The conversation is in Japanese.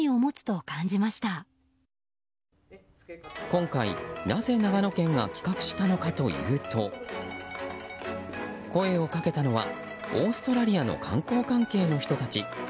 今回、なぜ長野県が企画したのかというと声をかけたのはオーストラリアの観光関係の人たち。